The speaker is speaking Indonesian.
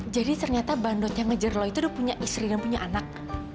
jadi ternyata bandot yang ngejar lu itu udah punya istri dan punya anak